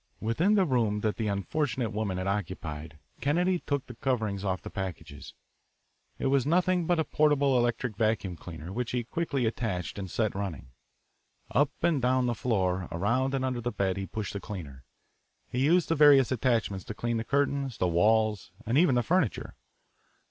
Within the room that the unfortunate woman had occupied Kennedy took the coverings off the packages. It was nothing but a portable electric vacuum cleaner, which he quickly attached and set running. Up and down the floor, around and under the bed he pushed the cleaner. He used the various attachments to clean the curtains, the walls, and even the furniture.